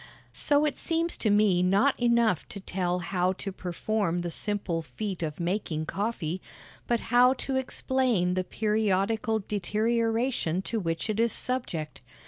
So it seems to me not enough to tell how to perform the simple feat of making coffee, but how to explain the periodical deterioration to which it is subject.